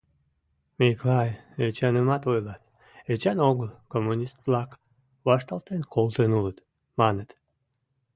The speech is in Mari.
Миклай Эчанымат ойлат: «Эчан огыл, коммунист-влак вашталтен колтен улыт», — маныт.